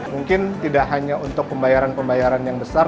mungkin tidak hanya untuk pembayaran pembayaran yang besar